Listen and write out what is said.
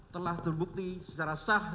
telah terbukti secara sah dan meyakinkan